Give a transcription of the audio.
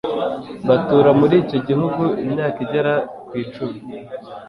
batura muri icyo gihugu imyaka igera ku icumi